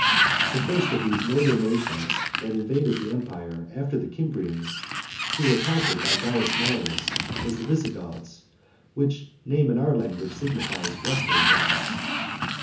The first of these northern nations that invaded the empire after the Cimbrians, who were conquered by Caius Marius, was the Visigoths which name in our language signifies "Western Goths."